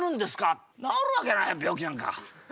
治るわけない病気なんか。